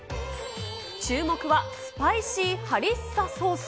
注目はスパイシーハリッサソース。